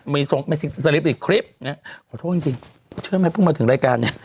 มีส่งสลิปอีกคลิปขอโทษจริงชื่อไม่พึ่งมาถึงรายการนี่